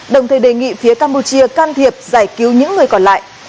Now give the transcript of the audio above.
đồng thời đề nghị phía campuchia can thiệp giải cứu những người còn lại